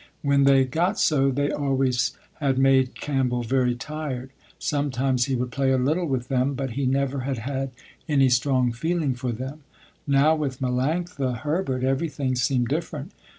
When they got so, they always had made Campbell very tired. Sometimes he would play a little with them, but he never had had any strong feeling for them. Now with Melanctha Herbert everything seemed different.